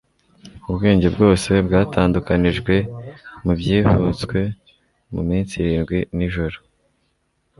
ubwenge bwose bwatandukanijwe mubyibutswe muminsi irindwi nijoro